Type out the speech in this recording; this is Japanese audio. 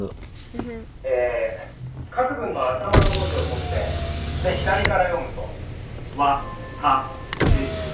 えー各文の頭の文字を取って左から読むと。